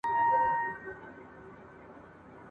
دا ټوټې وي تر زرګونو رسېدلي !.